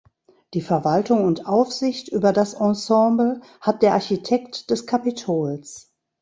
Die Verwaltung und Aufsicht über das Ensemble hat der Architekt des Kapitols.